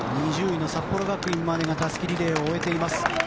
２０位の札幌学院までがたすきリレーを終えています。